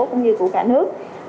cũng như của quốc gia